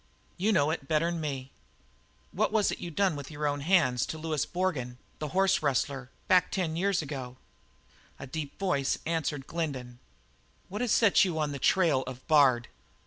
You know it better'n me. What was it you done with your own hands to Louis Borgen, the hoss rustler, back ten years ago?" A dead voice answered Glendin: "What has set you on the trail of Bard?"